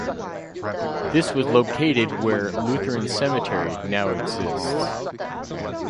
This was located where Lutheran cemetery now exists.